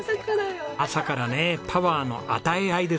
朝からねパワーの与え合いですね。